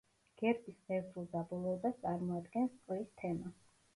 გერბის ღერძულ დაბოლოებას წარმოადგენს წყლის თემა.